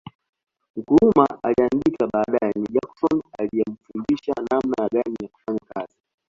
Nkrumah aliandika baadae ni Johnson aliyemfundisha namna gani ya kufanya kazi